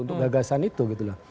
untuk gagasan itu